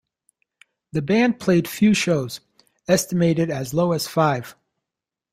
The band played few shows, estimated as low as five.